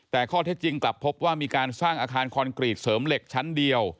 แต่ข้อเท็จจริงกลับพบว่ามีการสร้างอาคารคอนกรีตเสริมเหล็กชั้นเดียว